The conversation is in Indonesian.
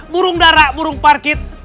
burung darah burung parkit